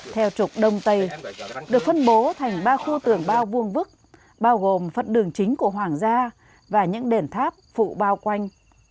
theo trục đông tây được phân bố thành ba khu tường bao vuông vứt bao gồm phận đường chính của hoàng gia và những đền tháp phụ bao quanh